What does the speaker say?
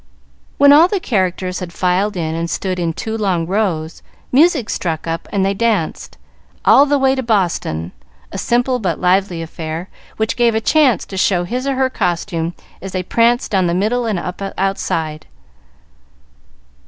When all the characters had filed in and stood in two long rows, music struck up and they danced, "All the way to Boston," a simple but lively affair, which gave each a chance to show his or her costume as they pranced down the middle and up outside.